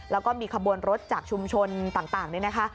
แล้วก็มีขบวนรถจากชุมชนต่างนี่นะคะ